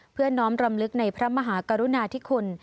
เพื่อน้อมรำลึกในพระมหากรุณาธิคุณ